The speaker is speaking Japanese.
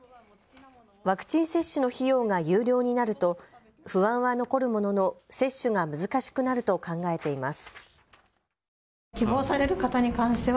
ワクチン接種の費用が有料になると不安は残るものの接種が難しくなると考えています。